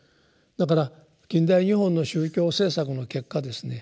だから近代日本の宗教政策の結果ですね